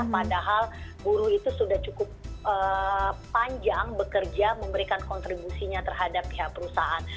padahal buruh itu sudah cukup panjang bekerja memberikan kontribusinya terhadap pihak perusahaan